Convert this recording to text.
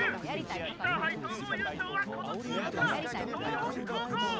インターハイ総合優勝は今年も千葉総北高校！！